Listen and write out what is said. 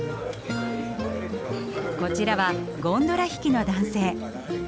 こちらはゴンドラ引きの男性。